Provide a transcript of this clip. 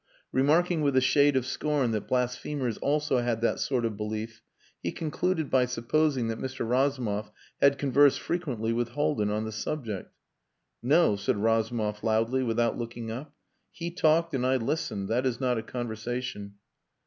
Remarking with a shade of scorn that blasphemers also had that sort of belief, he concluded by supposing that Mr. Razumov had conversed frequently with Haldin on the subject. "No," said Razumov loudly, without looking up. "He talked and I listened. That is not a conversation."